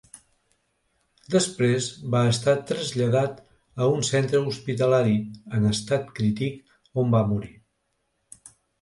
Després va estar traslladat a un centre hospitalari, en estat crític, on va morir.